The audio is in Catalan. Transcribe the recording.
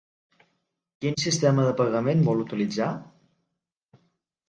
Quin sistema de pagament vol utilitzar?